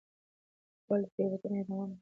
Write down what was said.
ليکوال تېروتنه يادونه کړې ده.